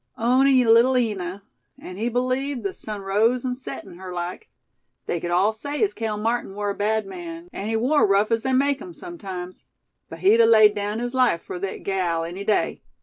"On'y Little Lina; an' he believed the sun rose an' set in her, like. They cud all say as Cale Martin war a bad man, an' he war rough as they make 'em, sumtimes; but he'd a laid down his life fur thet gal, any day.